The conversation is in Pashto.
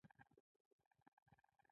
د قالینو صنعت سقوط کول تاوان دی.